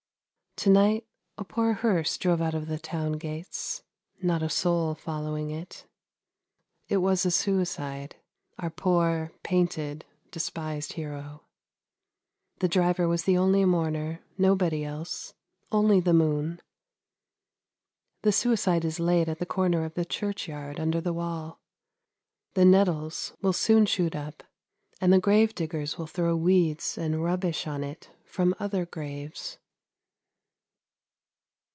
" To night a poor hearse drove out of the town gates, not a soul following it. It was a suicide — our poor, painted, despised hero. The driver was the only mourner, nobody else, only the moon. The suicide is laid in the corner of the churchyard under the wall. The nettles will soon shoot up, and the grave diggers will throw weeds and rubbish on it from other graves."